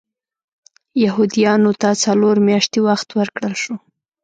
یهودیانو ته څلور میاشتې وخت ورکړل شو.